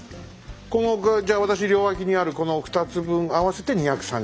このじゃあ私両脇にあるこの２つ分合わせて２３０ｋｇ？